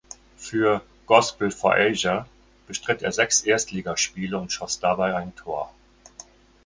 Für "Gospel For Asia" bestritt er sechs Erstligaspiele und schoss dabei ein Tor.